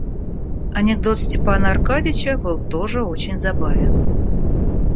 Анекдот Степана Аркадьича был тоже очень забавен.